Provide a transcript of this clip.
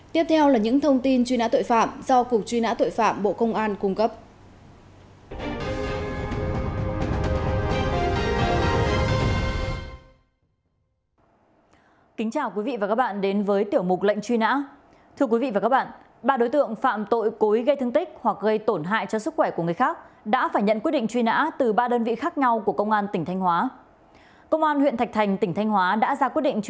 tiếp theo là những thông tin truy nã tội phạm do cục truy nã tội phạm bộ công an cung cấp